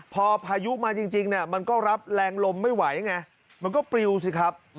พอพายุมาจริงมันก็รับแรงลมไม่ไหวไงมันก็ปลิวสิครับ